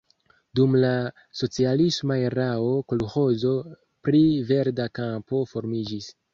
Dum la socialisma erao kolĥozo pri Verda Kampo formiĝis.